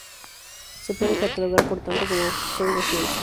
Se puede catalogar, por tanto, como pseudociencia.